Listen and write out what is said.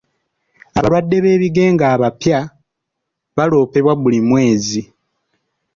Abalwadde b'ebigenge abapya baloopebwa buli mwezi.